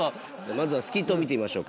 まずはスキットを見てみましょうか。